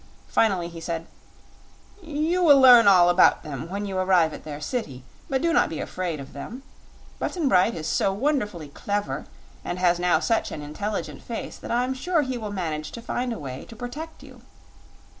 Finally, he said: "You will learn all about them when you arrive at their city. But do not be afraid of them. Button Bright is so wonderfully clever and has now such an intelligent face that I'm sure he will manage to find a way to protect you."